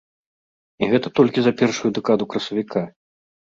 І гэта толькі за першую дэкаду красавіка.